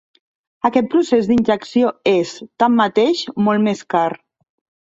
Aquest procés d'injecció és, tanmateix, molt més car.